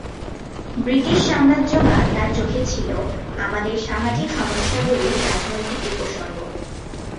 British সাম্রাজ্যবাদ তার চোখে ছিল "আমাদের সামাজিক সমস্যাগুলির রাজনৈতিক উপসর্গ"।